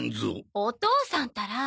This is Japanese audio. お父さんったら。